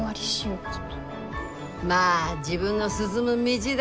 まあ自分の進む道だ。